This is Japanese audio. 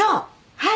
はい。